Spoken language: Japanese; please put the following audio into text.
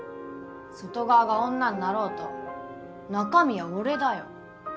外側が女になろうと中身は俺だよ。